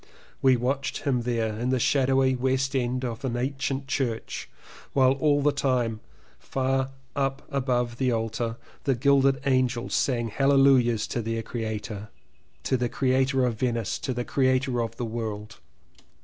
We watched him there in the shadowy West End of the ancient church while all the time far up above the altar, the gilded angels sang hallelujahs to their creator, to the creator of Venice, to the creator of the world.